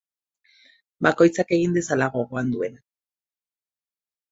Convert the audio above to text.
Bakoitzak egin dezala gogoan duena.